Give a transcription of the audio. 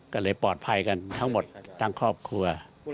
ก็เลยปลอดภัยกันทั้งหมดทั้งครอบครัว